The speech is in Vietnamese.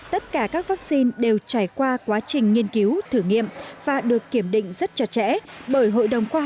tất cả các vaccine đều trải qua quá trình nghiên cứu thử nghiệm và được kiểm định rất chặt chẽ bởi hội đồng khoa